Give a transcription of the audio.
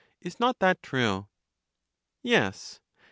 Is not that true? Yes.